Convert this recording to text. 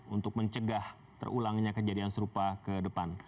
untuk mencegah terulangnya kejadian serupa ke depan